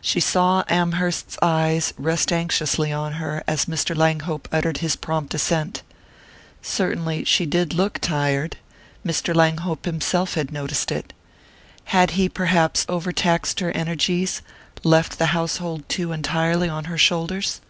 She saw Amherst's eyes rest anxiously on her as Mr. Langhope uttered his prompt assent. Certainly she did look tired Mr. Langhope himself had noticed it. Had he perhaps over taxed her energies, left the household too entirely on her shoulders?